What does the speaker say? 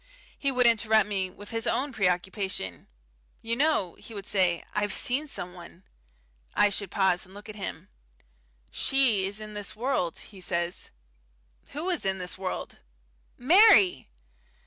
He would interrupt me with his own preoccupation. "You know," he would say, "I've seen someone." I should pause and look at him. "She is in this world," he says. "Who is in this world?" "Mary!"